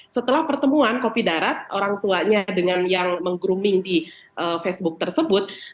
setelah pertemuan kopi darat orang tuanya dengan yang meng grooming di facebook tersebut